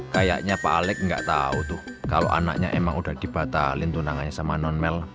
kayaknya pak alec nggak tahu tuh kalau anaknya emang udah dibatalin tunangannya sama non mel